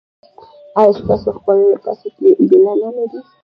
ایا ستاسو خپلوان له تاسو ګیله نلري؟